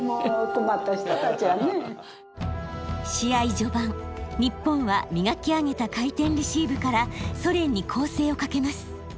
試合序盤日本は磨き上げた回転レシーブからソ連に攻勢をかけます。